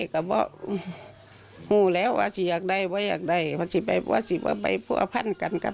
ขออภัยนะเจ้าชาวปรนักฤทธิ์ศพ๑๘ธันวาคมนะครับทุกผู้ชมครับ